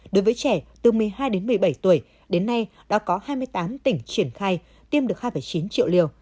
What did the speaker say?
đối với trẻ từ một mươi hai đến một mươi bảy tuổi đến nay đã có hai mươi tám tỉnh triển khai tiêm được hai chín triệu liều